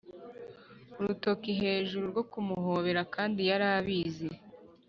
urutoki hejuru rwo kumuhobera, kandi yari abizi